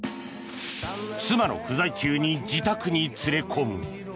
妻の不在中に自宅に連れ込む。